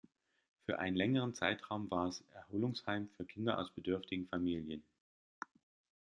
Für einen längeren Zeitraum war es Erholungsheim für Kinder aus bedürftigen Familien.